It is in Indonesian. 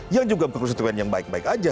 yang juga konstituen yang baik baik aja